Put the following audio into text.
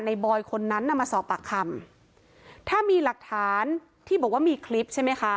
บอยคนนั้นน่ะมาสอบปากคำถ้ามีหลักฐานที่บอกว่ามีคลิปใช่ไหมคะ